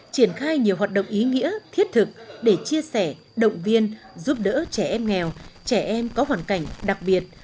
triển khai nhiều hoạt động ý nghĩa thiết thực để chia sẻ động viên giúp đỡ trẻ em nghèo trẻ em có hoàn cảnh đặc biệt